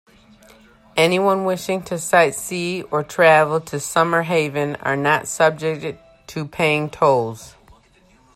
Anyone wishing to sightsee or travel to Summerhaven are not subjected to paying tolls.